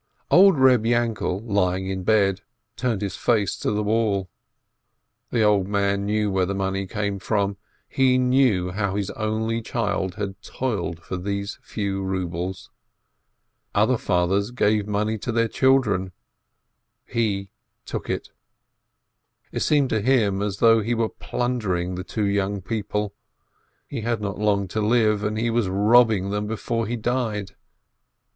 Old Reb Yainkel lying in bed turned his face to the wall. The old man knew where the money came from, he knew how his only child had toiled for those few rubles. Other fathers gave money to their children, and he took it It seemed to him as though he were plundering the two young people. He had not long to live, and he was robbing them before he died.